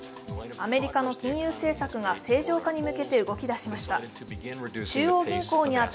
アメリカの金融政策が正常化に向けて動き出しました。